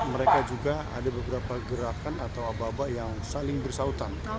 mereka juga ada beberapa gerakan atau aba aba yang saling bersautan